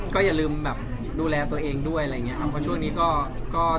ก็อย่าลืมแบบดูแลตัวเองด้วยอะไรอย่างเงี้ครับเพราะช่วงนี้ก็ก็